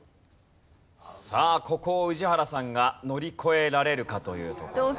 さあここを宇治原さんが乗り越えられるか？というところです。